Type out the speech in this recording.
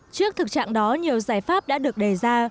trước thực trạng đó nhiều giải pháp đã được đề ra